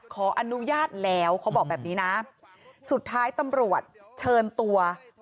ขออนุญาตแล้ว